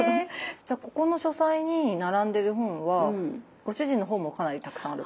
じゃあここの書斎に並んでる本はご主人の本もかなりたくさんある。